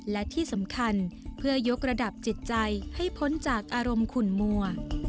และที่สำคัญเพื่อยกระดับจิตใจให้พ้นจากอารมณ์ขุนมัว